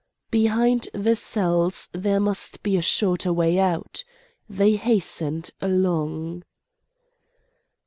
Behind the cells there must be a shorter way out. They hastened along.